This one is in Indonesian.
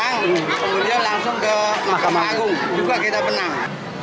kemudian langsung ke mahkamah agung juga kita menang